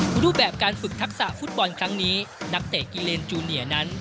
รูปแบบการฝึกทักษะฟุตบอลครั้งนี้นักเตะกิเลนจูเนียนั้น